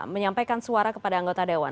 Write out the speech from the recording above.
menyampaikan suara kepada anggota dewan